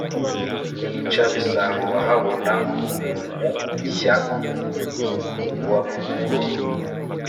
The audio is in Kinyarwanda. Nica Bisangwahabona mu Mushya wa Muroli,